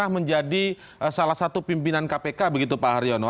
menjadi salah satu pimpinan kpk begitu pak haryono